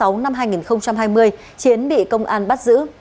năm hai nghìn hai mươi chiến bị công an bắt giữ